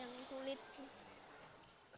melewati rintangan rintangan yang kulit